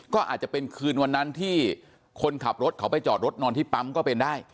ก็อาจจะเป็นคืนวันนั้นที่คนขับรถเขาไปจอดรถนอนที่ปั๊มก็เป็นได้